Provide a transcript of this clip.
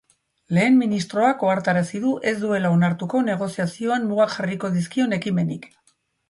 Lehen ministroak ohartarazi du ez duela onartuko negoziazioan mugak jarriko dizkion ekimenik.